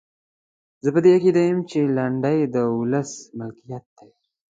زه په دې عقیده یم چې لنډۍ د ولس ملکیت دی.